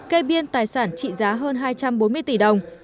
cây biên tài sản trị giá hơn hai trăm bốn mươi tỷ đồng